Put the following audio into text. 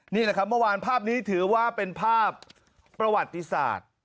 นี่แหละครับเมื่อวานภาพนี้ถือว่าเป็นภาพประวัติศาสตร์